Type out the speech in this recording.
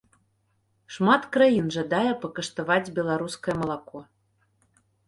Шмат краін жадае пакаштаваць беларускае малако.